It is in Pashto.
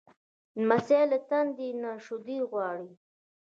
لمسی له تندې نه شیدې غواړي.